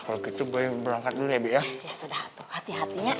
berangkat berangkat ya ya ya sudah hati hatinya